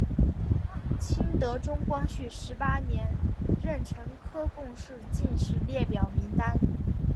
清德宗光绪十八年壬辰科贡士进士列表名单。